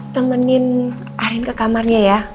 temenin arin ke kamarnya ya